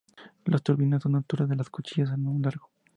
Las turbinas son altura y las cuchillas son largo.